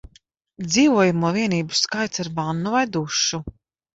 Dzīvojamo vienību skaits ar vannu vai dušu